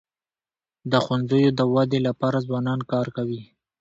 د ښوونځیو د ودی لپاره ځوانان کار کوي.